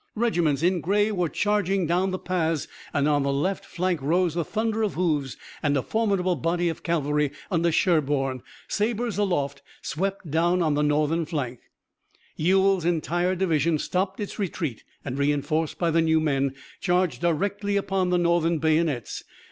Regiments in gray were charging down the paths and on the left flank rose the thunder of hoofs as a formidable body of cavalry under Sherburne, sabers aloft, swept down on the Northern flank. Ewell's entire division stopped its retreat and, reinforced by the new men, charged directly upon the Northern bayonets.